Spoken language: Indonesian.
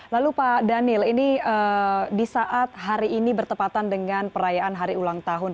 lalu pak daniel ini di saat hari ini bertepatan dengan perayaan hari ulang tahun